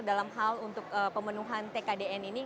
dalam hal untuk pemenuhan tkdn ini